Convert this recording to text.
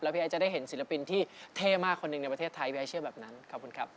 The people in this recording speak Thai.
พี่ไอ้จะได้เห็นศิลปินที่เท่มากคนหนึ่งในประเทศไทยพี่ไอ้เชื่อแบบนั้นขอบคุณครับ